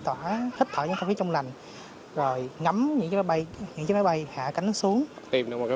tỏa hít thở trong phía trong lành rồi ngắm những chiếc máy bay hạ cánh xuống tìm được một cái